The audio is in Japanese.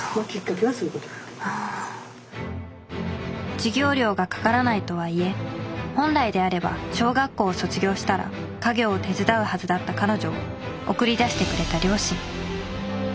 授業料がかからないとはいえ本来であれば小学校を卒業したら家業を手伝うはずだった彼女を送り出してくれた両親。